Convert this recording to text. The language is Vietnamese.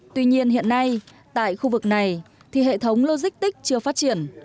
tuy nhiên hiện nay tại khu vực này thì hệ thống logistic chưa phát triển